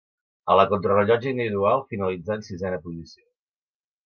A la contrarellotge individual finalitzà en sisena posició.